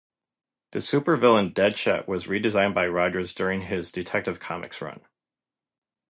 The supervillain Deadshot was redesigned by Rogers during his "Detective Comics" run.